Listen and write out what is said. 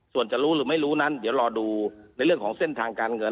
ส่วนจะรู้หรือไม่รู้นั้นเดี๋ยวรอดูในเรื่องของเส้นทางการเงิน